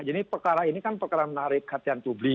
jadi perkara ini kan perkara menarik kehatian publik